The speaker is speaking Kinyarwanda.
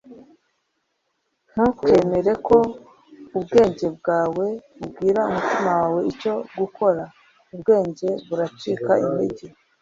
ntukemere ko ubwenge bwawe ubwira umutima wawe icyo gukora ubwenge buracika intege